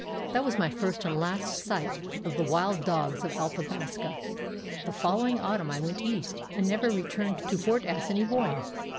"That was my first and last sight of the wild dogs of Athabasca. The following autumn I went east, and never returned to Fort Assiniboine.